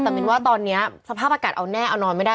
แต่มินว่าตอนนี้สภาพอากาศเอาแน่เอานอนไม่ได้